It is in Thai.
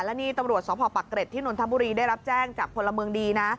และนี่ตำรวจสพปักเกร็ดที่นนทบุรีได้รับแจ้งจากพลเมืองดีนะ